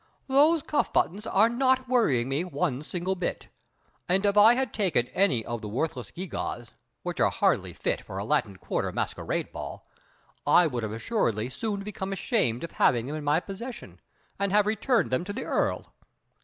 "Those cuff buttons are not worrying me one single bit, and if I had taken any of the worthless gewgaws, which are hardly fit for a Latin Quarter masquerade ball, I would have assuredly soon become ashamed of having them in my possession and have returned them to the Earl.